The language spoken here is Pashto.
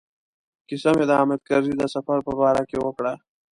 کیسه مې د حامد کرزي د سفر په باره کې وکړه.